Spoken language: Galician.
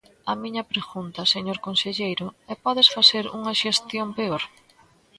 A miña pregunta, señor conselleiro, é ¿pódese facer unha xestión peor?